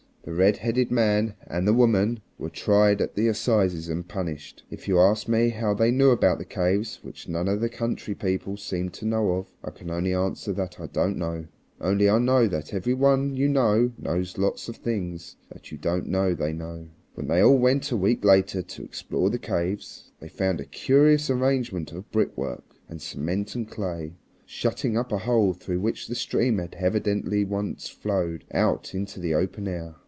The redheaded man and the woman were tried at the assizes and punished. If you ask me how they knew about the caves which none of the country people seemed to know of, I can only answer that I don't know. Only I know that every one you know knows lots of things that you don't know they know. When they all went a week later to explore the caves, they found a curious arrangement of brickwork and cement and clay, shutting up a hole through which the stream had evidently once flowed out into the open air.